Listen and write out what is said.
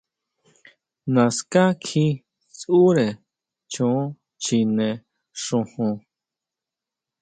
Naská kjí tsʼure choon chjine xojon.